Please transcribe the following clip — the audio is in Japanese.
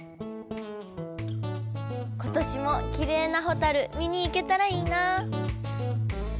今年もきれいなホタル見に行けたらいいな。